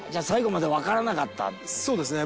そうですね。